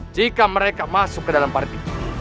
jika mereka masuk ke dalam parit itu